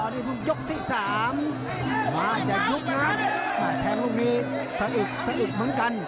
นี่เพิ่งยกที่๓มาจะยุบนะแทงลูกนี้สะอึกสะอึกเหมือนกัน